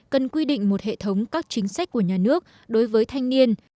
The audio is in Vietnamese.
luật thanh niên quy định một hệ thống các chính sách của nhà nước đối với thanh niên